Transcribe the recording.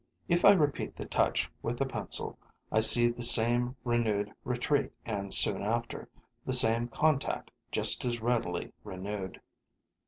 If I repeat the touch with the pencil, I see the same sudden retreat and, soon after, the same contact just as readily renewed.